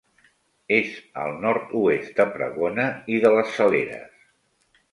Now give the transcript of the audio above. És al nord-oest de Pregona i de les Saleres.